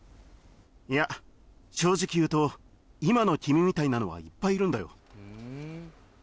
いや正直言うと今の君みたいなのはいっぱいいるんだよ